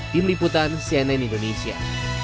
terima kasih sudah menonton cnn indonesia